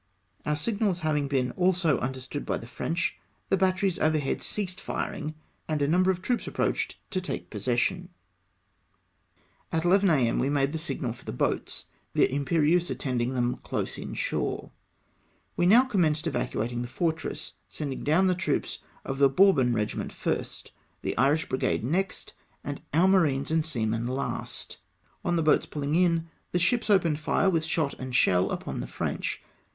Our signals having been also understood by the French, the batteries overhead ceased firing, and a number of troops approached to take possession. EVACUATE THE FORTRESS. 315 At 11 A.M. we made the signal for the boats — the Imperieuse attending them close in shore. We now commenced evacuating the fortress, sending down the troops of the Bourbon regiment first ; the Irish brigade next, and our marines and seamen last. On the boats pulling in, the ships opened fire witli shot and shell upon the French.